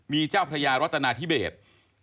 มีเจ้าพระยารัตนาธิเบศ